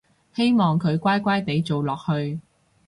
希望佢乖乖哋做落去